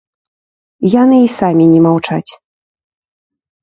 Яны і самі не маўчаць.